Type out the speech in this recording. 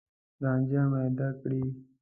رانجه میده کړي